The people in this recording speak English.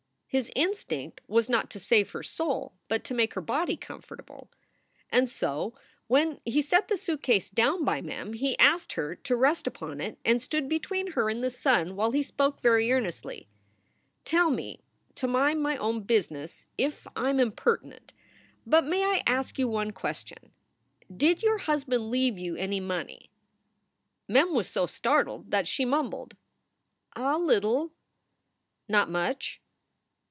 His instinct was not to save her soul, but to make her body comfortable. And so when he set the suitcase down by Mem, he asked her to rest upon it, and stood between her and the sun while he spoke very earnestly. "Tell me to mind my own business if I m impertinent, but may I ask you one question? Did your husband leave you any money?" Mem was so startled that she mumbled: "A little." "Not much?"